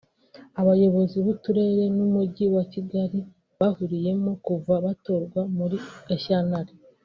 abayobozi b’uturere n’Umujyi wa Kigali bahuriyemo kuva batorwa muri Gashyantare